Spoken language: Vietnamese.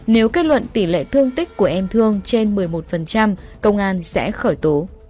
nếu kết luận tỷ lệ thương tích của em thương trên một mươi một công an sẽ khởi tố